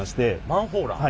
マンホーラー？